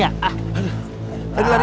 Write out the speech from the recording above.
yah jangan lali